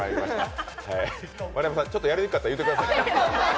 丸山さん、やりにくかったら言うてくださいね。